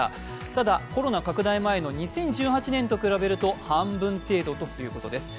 ただ、コロナ拡大前の２０１８年と比べると半分程度ということです。